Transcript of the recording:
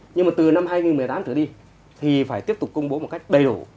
nhưng mà từ năm hai nghìn một mươi tám trở đi thì phải tiếp tục công bố một cách đầy đủ